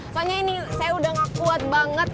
soalnya ini saya udah gak kuat banget